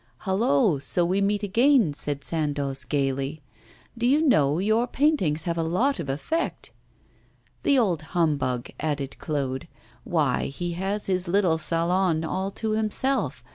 'Hallo! so we meet again!' said Sandoz, gaily. 'Do you know, your paintings have a lot of effect?' 'The old humbug!' added Claude. 'Why, he has his little Salon all to himself.